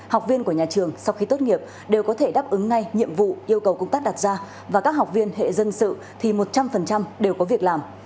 học viên của nhà trường sau khi tốt nghiệp đều có thể đáp ứng ngay nhiệm vụ yêu cầu công tác đặt ra và các học viên hệ dân sự thì một trăm linh đều có việc làm